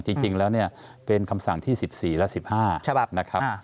จริงแล้วเนี่ยเป็นคำสั่งที่๑๔และ๑๕นะครับ